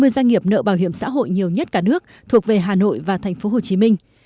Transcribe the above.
hai mươi doanh nghiệp nợ bảo hiểm xã hội nhiều nhất cả nước thuộc về hà nội và thành phố hồ chí minh